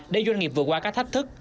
để doanh nghiệp vừa qua các thách thức